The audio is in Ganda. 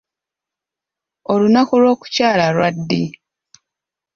Olunaku lw'okukyala lwa ddi?